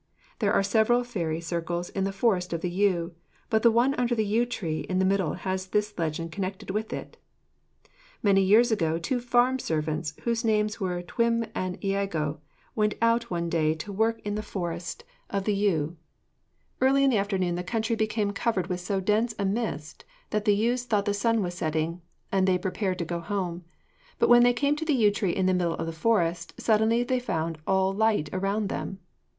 There are several fairy circles in the Forest of the Yew, but the one under the yew tree in the middle has this legend connected with it: Many years ago, two farm servants, whose names were Twm and Iago, went out one day to work in the Forest of the Yew. Early in the afternoon the country became covered with so dense a mist that the youths thought the sun was setting, and they prepared to go home; but when they came to the yew tree in the middle of the forest, suddenly they found all light around them.